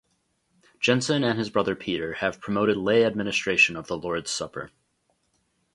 Jensen and his brother Peter have promoted lay administration of the Lord's Supper.